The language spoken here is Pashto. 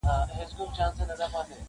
نعمتونه د پېغور او د مِنت یې وه راوړي-